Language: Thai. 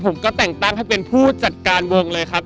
ผมก็แต่งตั้งให้เป็นผู้จัดการวงเลยครับ